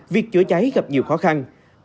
việc chữa cháy gặp nhiều khó khăn